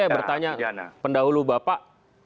saya bertanya pendahulu bapak